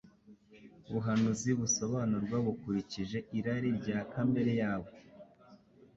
Ubuhanuzi busobanurwa bakurikije irari rya kamere yabo.